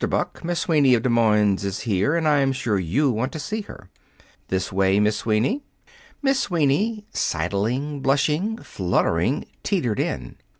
Buck, Miss Sweeney, of Des Moines, is here, and I'm sure you want to see her. This way, Miss Sweeney." Miss Sweeney, sidling, blushing, fluttering, teetered in.